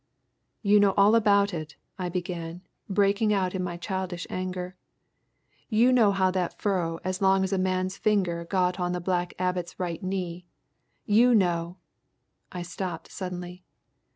"You know all about it," I began, breaking out in my childish anger. "You know how that furrow as long as a man's finger got on the Black Abbot's right knee. You know " I stopped suddenly.